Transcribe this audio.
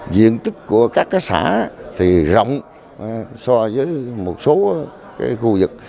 diện tích của các cái xã thì rộng so với một số cái khu vực